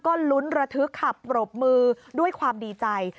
ก็ลุ้นระทึกขับปรบมือด้วยความดีใจ